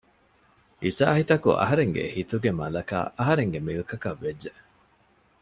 އިސާހިތަކު އަހަރެންގެ ހިތުގެ މަލަކާ އަހަރެންގެ މިލްކަކަށް ވެއްޖެ